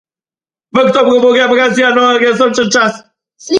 V oktobru burja, mraz, januarja sončen čas.